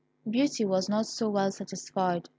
Beauty was not so well satisfied.